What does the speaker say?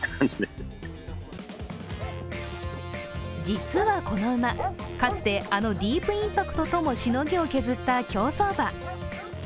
実はこの馬、かつて、あのディープインパクトともしのぎを削った競走馬。